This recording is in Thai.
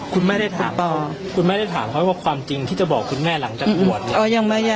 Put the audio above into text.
คุณแม่ได้ถามให้ว่าความจริงที่คุณแม่จะบอกหลังจากอุบัติ